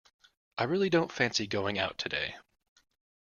I really don't fancy going out today.